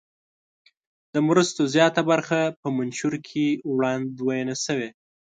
د مرستو زیاته برخه په منشور کې وړاندوینه شوې.